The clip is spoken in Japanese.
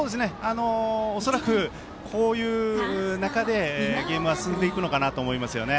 恐らく、こういう中でゲームは進んでいくのかなと思いますよね。